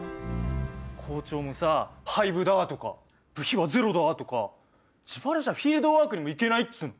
校長もさ「廃部だ！」とか「部費はゼロだ！」とか自腹じゃフィールドワークにも行けないっつうの！